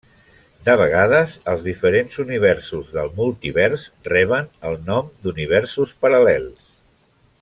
De vegades, els diferents universos del multivers reben el nom d'universos paral·lels.